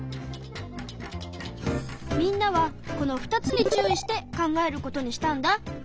みんなはこの２つに注意して考えることにしたんだ。